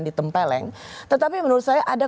ditempeleng tetapi menurut saya ada